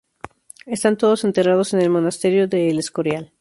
Están todos enterrados en el Monasterio de El Escorial.